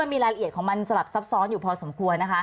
มีรายละเอียดของมันสลับซับซ้อนอยู่พอสมควรนะคะ